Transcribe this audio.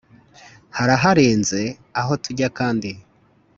haraharenze aho tujya kandi